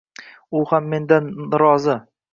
U ham mendan rozi